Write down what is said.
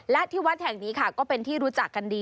และที่วัดแห่งนี้ค่ะก็เป็นที่รู้จักกันดี